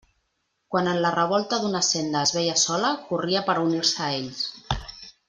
Quan en la revolta d'una senda es veia sola, corria per a unir-se a ells.